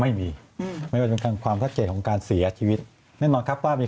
ไม่มีอืมไม่ว่าจะเป็นความชัดเจนของการเสียชีวิตแน่นอนครับว่ามี